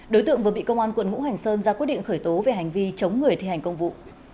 đối tượng vừa bị công an quận ngũ hành sơn ra quyết định khởi tố về hành vi chống người thi hành công vụ